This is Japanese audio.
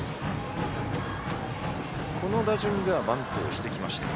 この打順ではバントしてきました。